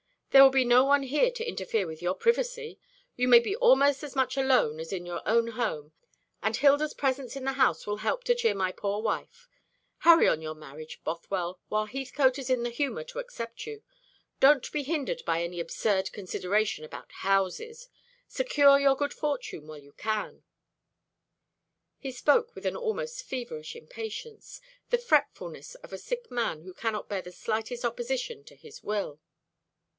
There will be no one here to interfere with your privacy. You may be almost as much alone as in your own home, and Hilda's presence in the house will help to cheer my poor wife. Hurry on your marriage, Bothwell, while Heathcote is in the humour to accept you. Don't be hindered by any absurd consideration about houses; secure your good fortune while you can." He spoke with an almost feverish impatience, the fretfulness of a sick man who cannot bear the slightest opposition to his will.